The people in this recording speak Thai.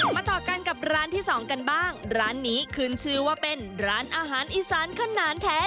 ต่อกันกับร้านที่สองกันบ้างร้านนี้ขึ้นชื่อว่าเป็นร้านอาหารอีสานขนาดแท้